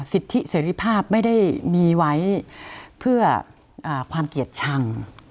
สิทธิเสรีภาพไม่ได้มีไว้เพื่อความเกลียดชัง